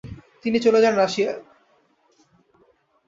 তিনি চলে যান রাশিয়ায়।